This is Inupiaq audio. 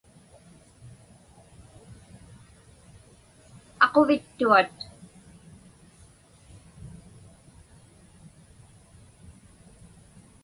Aquvittuat.